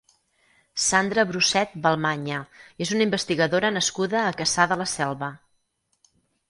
Sandra Brucet Balmaña és una investigadora nascuda a Cassà de la Selva.